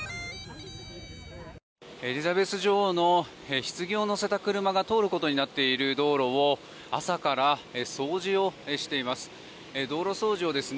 エリザベス女王のひつぎをのせた車が通ることになっている道路を朝から掃除をしています。